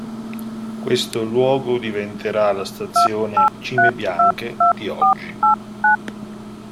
Questo luogo diventerà la stazione "Cime Bianche" di oggi.